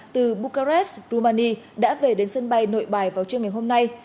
từ bucharest romania đã về đến sân bay nội bài vào chiều ngày hôm nay